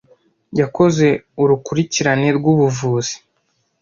Yakoze urukurikirane rwubuvuzi.